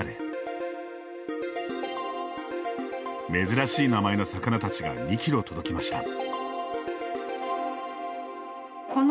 珍しい名前の魚たちが２キロ届きました。